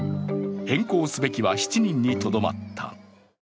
変更すべきは７人にとどまった。